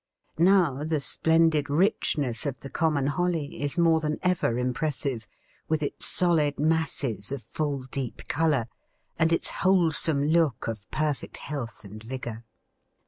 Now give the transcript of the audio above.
Now the splendid richness of the common holly is more than ever impressive, with its solid masses of full, deep colour, and its wholesome look of perfect health and vigour.